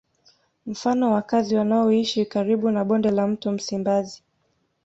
Mfano wakazi wanaoishi karibu na bonde la mto Msimbazi